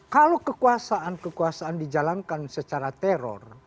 kalau kekuasaan kekuasaan dijalankan secara teror